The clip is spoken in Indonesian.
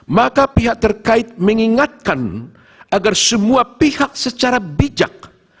maka pihak terkait mengingatkan agar semua pihak secara bijak